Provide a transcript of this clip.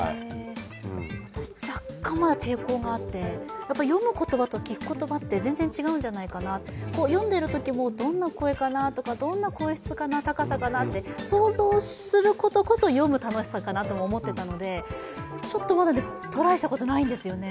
若干まだ抵抗があって、読む言葉と聞く言葉って全然違うんじゃないかな、読んでいるときも、どんな声かなとか、どんな声質かな、高さかなって想像することこそ読む楽しさかなとも思っていたので、まだトライしたことないんですよね。